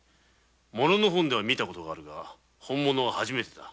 書物では見たことがあるが本物は初めてだ。